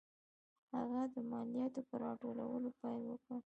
هغه د مالیاتو په راټولولو پیل وکړ.